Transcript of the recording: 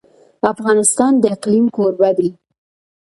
افغانستان د اقلیم کوربه دی.